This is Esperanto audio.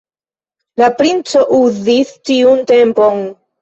La princo uzis tiun tempon.